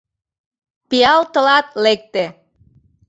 — Пиал тылат лекте!